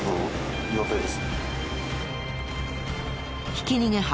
ひき逃げ犯